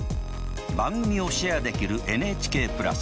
番組をシェアできるＮＨＫプラス。